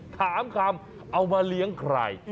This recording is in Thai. ถามคำเอามาเลี้ยงใคร